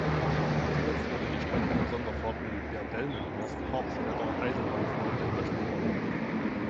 Zuletzt wurde die Strecke für Sonderfahrten der Delmenhorst-Harpstedter Eisenbahnfreunde in Anspruch genommen.